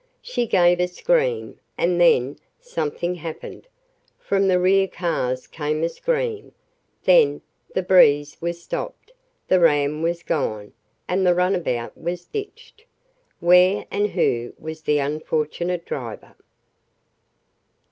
She gave a scream, and then something happened. From the rear cars came a scream. Then the Breeze was stopped the ram was gone, and the runabout was ditched. Where and who was the unfortunate driver?